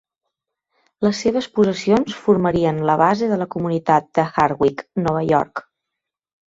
Les seves possessions formarien la base de la comunitat de Hartwick, Nova York.